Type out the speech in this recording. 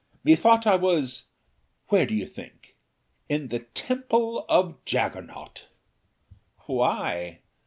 Methought I was where do you think? In the temple of Jaggernaut." "Why?"